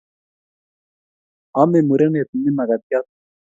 Ame murenet nii mkatiat